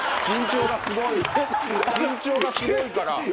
緊張がすごいから。